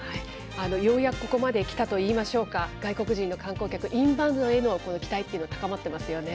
ようやくここまできたといいましょうか、外国人の観光客、インバウンドへの期待というのは高まっていますよね。